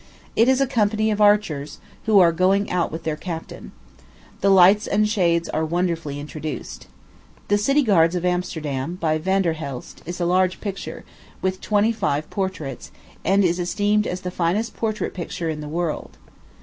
It is a company of archers, who are going out with their captain. The lights and shades are wonderfully introduced. The City Guards of Amsterdam, by Vanderhelst, is a large picture, with twenty five portraits, and is esteemed as the finest portrait picture in the world.